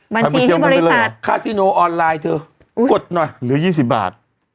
บัญชีที่บริษัทคาซิโนออนไลน์เถอะกดหน่อยเหลือยี่สิบบาท